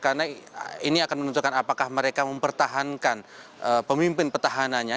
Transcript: karena ini akan menunjukkan apakah mereka mempertahankan pemimpin pertahanannya